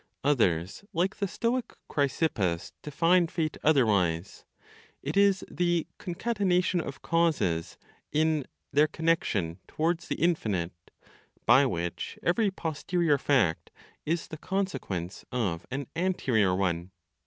Others (like the Stoic Chrysippus) define Fate otherwise: it is "the concatenation of causes" in "their connection towards the infinite," by which every posterior fact is the consequence of an anterior one.